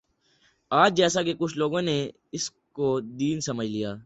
آج جیساکہ کچھ لوگوں نے اسی کو دین سمجھ لیا